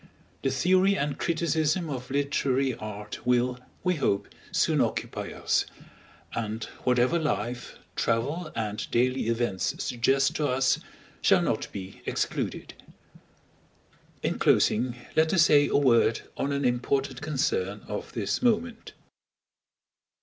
The theory and criticism of literary art will, we hope, soon occupy us; and whatever life, travel, and daily events suggest to us, shall not be excluded. In closing, let us say a word on an important concern of this moment.